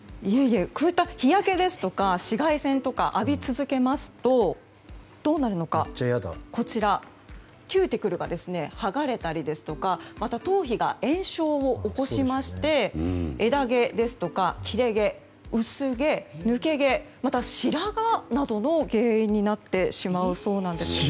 こういった日焼けですとか紫外線とかを浴び続けますとどうなるのかキューティクルが剥がれたりですとかまた頭皮が炎症を起こしまして枝毛ですとか切れ毛、薄毛、抜け毛また、白髪などの原因になってしまうそうです。